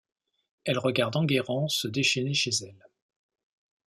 Elle regarde Enguerrand se déchaîner chez elle.